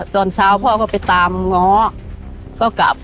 ตอนเช้าพ่อก็ไปตามง้อก็กลับ